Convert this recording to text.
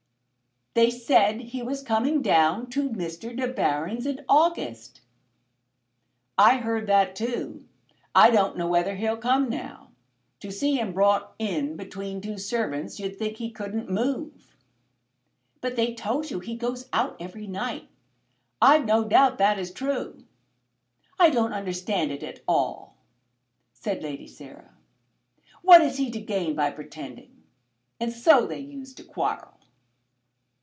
"They said he was coming down to Mr. De Baron's in August." "I heard that too. I don't know whether he'll come now. To see him brought in between two servants you'd think that he couldn't move." "But they told you he goes out every night?" "I've no doubt that is true." "I don't understand it all," said Lady Sarah. "What is he to gain by pretending. And so they used to quarrel."